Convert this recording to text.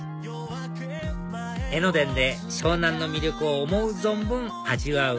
江ノ電で湘南の魅力を思う存分味わう